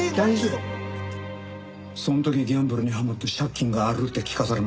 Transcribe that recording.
そん時ギャンブルにはまって借金があるって聞かされました。